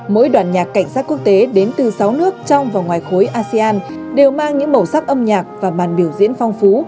mỗi đoàn nhạc cảnh sát quốc tế đến từ sáu nước trong và ngoài khối asean đều mang những màu sắc âm nhạc và màn biểu diễn phong phú